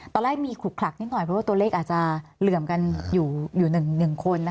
ตอนแรกมีขลุกขลักนิดหน่อยเพราะว่าตัวเลขอาจจะเหลื่อมกันอยู่๑คน